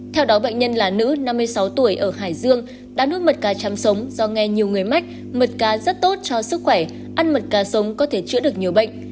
theo đó bệnh nhân là nữ năm mươi sáu tuổi ở hải dương đã nuốt mật cá chăm sống do nghe nhiều người mắc mật cá rất tốt cho sức khỏe ăn mật cá sống có thể chữa được nhiều bệnh